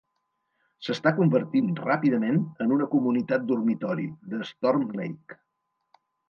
S'està convertint ràpidament en una "comunitat dormitori" de Storm Lake.